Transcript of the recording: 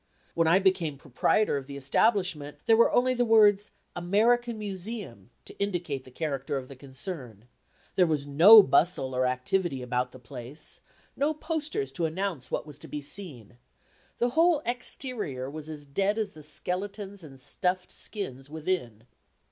When I became proprietor of the establishment, there were only the words: "American Museum," to indicate the character of the concern; there was no bustle or activity about the place; no posters to announce what was to be seen; the whole exterior was as dead as the skeletons and stuffed skins within.